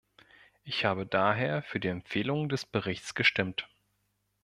Ich habe daher für die Empfehlungen des Berichts gestimmt.